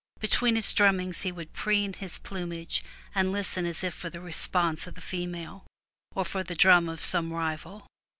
Between his drummings he would preen his plumage and listen as if for the response of the female, or for the drum of some rival.